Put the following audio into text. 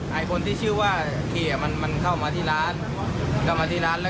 ใช่พอเขาเดินไปชนปุ๊บแล้วก็ช่างพี่ชายอ่ะ